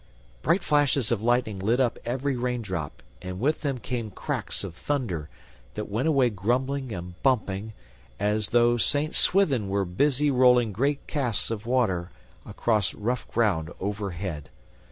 Bright flashes of lightning lit up every raindrop, and with them came cracks of thunder that went away rumbling and bumping as though Saint Swithin were busy rolling great casks of water across rough ground overhead.